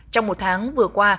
trong một tháng vừa qua